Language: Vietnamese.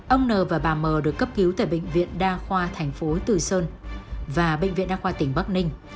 ông n và bà mờ được cấp cứu tại bệnh viện đa khoa thành phố từ sơn và bệnh viện đa khoa tỉnh bắc ninh